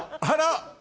あら！